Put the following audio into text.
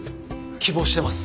希望してます。